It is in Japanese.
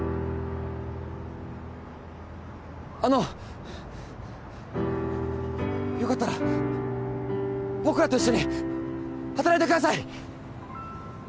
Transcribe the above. あのよかったら僕らと一緒に働いてください！